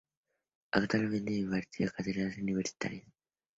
Actualmente imparte cátedras universitarias.